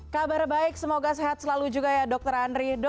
kabar baik semoga sehat selalu juga ya dokter andri